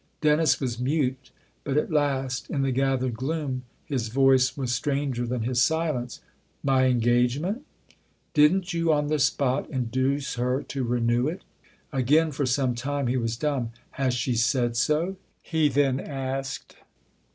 Dennis was mute ; but at last, in the gathered gloom, his voice was stranger than his silence. " My engagement ?"" Didn't you, on the spot, induce her to renew it?" Again, for some time, he was dumb. " Has she said so ?" he then asked.